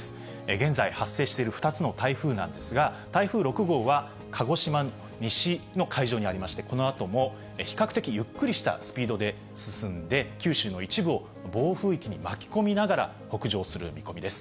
現在、発生している２つの台風なんですが、台風６号は、鹿児島の西の海上にありまして、このあとも比較的ゆっくりしたスピードで進んで、九州の一部を暴風域に巻き込みながら北上する見込みです。